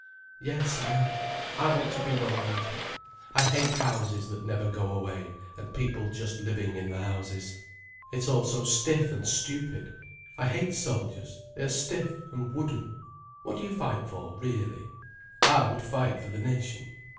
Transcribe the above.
"Yes, I am. I want to be romantic. I hate houses that never go away, and people just living in the houses. It's all so stiff and stupid. I hate soldiers, they are stiff and wooden. What do you fight for, really?" "I would fight for the nation."